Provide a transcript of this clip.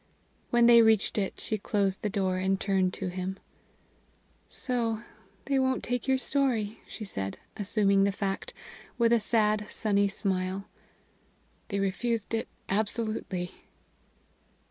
When they reached it, she closed the door, and turned to him. "So they won't take your story?" she said, assuming the fact, with a sad, sunny smile. "They refused it absolutely."